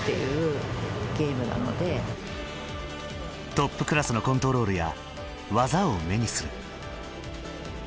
トップクラスのコントロールや技を目にする。